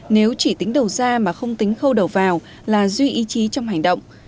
nếu chỉ tính đầu ra mà không tính khâu đầu vào là duy ý chí trong hành động